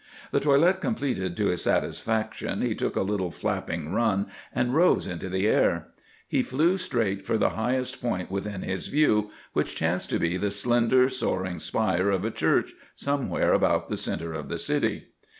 The toilet completed to his satisfaction, he took a little flapping run and rose into the air. He flew straight for the highest point within his view, which chanced to be the slender, soaring spire of a church somewhere about the centre of the city.